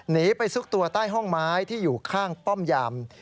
หนีไปซุกตัวใต้ห้องไม้ที่อยู่ข้างป้อมยำ